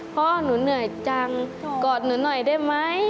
พ่อหนูเหนื่อยจังกอดหนูหน่อยได้ไหม